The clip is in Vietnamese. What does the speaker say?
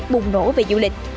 bùng nổ về du lịch